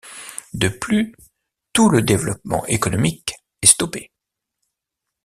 De plus, tout le développement économique est stoppé.